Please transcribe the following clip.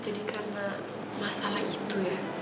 karena masalah itu ya